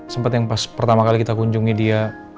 sempat yang pas pertama kali kita kunjungi dia